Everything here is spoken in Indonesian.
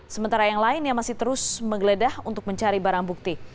sementara yang lainnya masih terus menggeledah untuk mencari barang bukti